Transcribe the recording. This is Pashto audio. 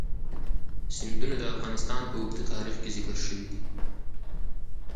سیندونه د افغانستان په اوږده تاریخ کې ذکر شوی دی.